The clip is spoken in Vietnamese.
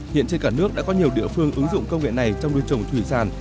hiện trên cả nước đã có nhiều địa phương ứng dụng công nghệ này trong nuôi trồng thủy sản